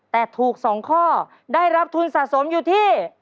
แต่ถูก๒ข้อได้รับทุนสะสมอยู่ที่